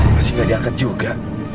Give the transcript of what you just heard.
masih gak diangkat juga